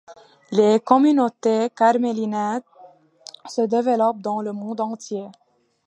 Les communautés carmélitaines se développent dans le monde entier.